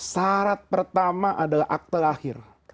syarat pertama adalah akte lahir